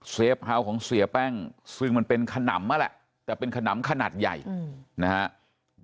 เฮาส์ของเสียแป้งซึ่งมันเป็นขนำนั่นแหละแต่เป็นขนำขนาดใหญ่นะครับ